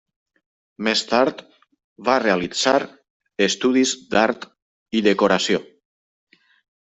Més tard va realitzar estudis d'Art i Decoració.